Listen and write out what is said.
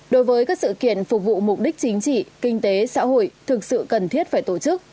đối với các sự kiện phục vụ mục đích chính trị kinh tế xã hội thực sự cần thiết phải tổ chức